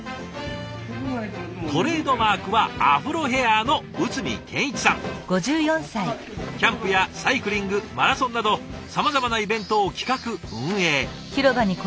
トレードマークはアフロヘアのキャンプやサイクリングマラソンなどさまざまなイベントを企画・運営。